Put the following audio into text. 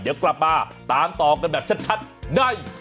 เดี๋ยวกลับมาตามต่อกันแบบชัดใน